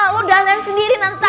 lo udah andain sendiri nanti